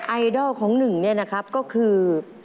ไอดอลของหนึ่งเนี่ยนะครับก็คือ